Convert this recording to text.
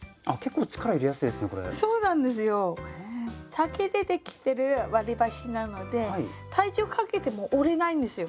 竹でできてる割り箸なので体重かけても折れないんですよ。